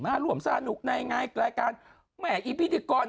มาร่วมสนุกได้ไงหรือรายการแม่อิพฤกร